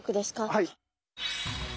はい。